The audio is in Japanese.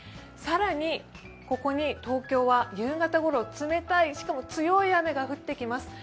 更に、ここに東京は夕方ごろ、冷たい、しかも強い雨が降ってきます。